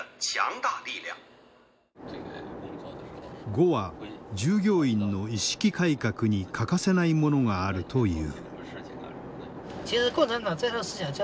呉は従業員の意識改革に欠かせないものがあるという。